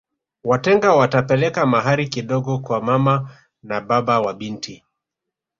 Watenga watapeleka mahari kidogo kwa mama na baba wa binti